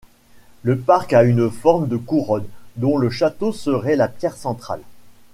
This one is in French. Le parc a une forme de couronne, dont le château serait la pierre centrale.